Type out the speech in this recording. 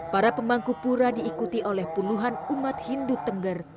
para pemangku pura diikuti oleh puluhan umat hindu tengger